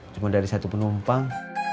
cuman dari satu penumpang